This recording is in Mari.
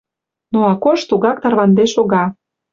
Но Акош тугак тарваныде шога.